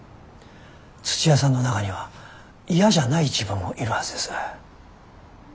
土屋さんの中には嫌じゃない自分もいるはずです。